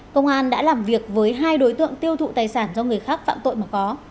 công an đã làm việc với hai đối tượng tiêu thụ tài sản do người khác phạm tội mà có